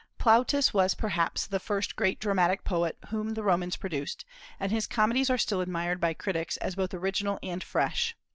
Plautus was perhaps the first great dramatic poet whom the Romans produced, and his comedies are still admired by critics as both original and fresh.